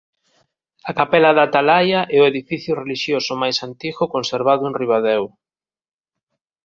A capela da Atalaia é o edificio relixioso máis antigo conservado en Ribadeo.